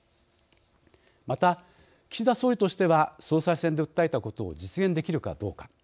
また、岸田総理としては総裁選で訴えたことを実現できるかどうか。